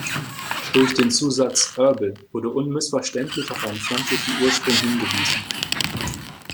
Durch den Zusatz Herbal wurde unmissverständlich auf einen pflanzlichen Ursprung hingewiesen.